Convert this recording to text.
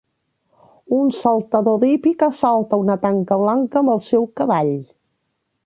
Un saltador d'hípica salta una tanca blanca amb el seu cavall.